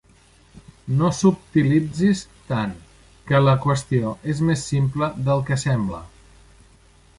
No subtilitzis tant, que la qüestió és més simple del que sembla.